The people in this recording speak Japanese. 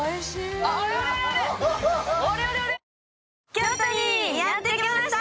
京都にやってきました！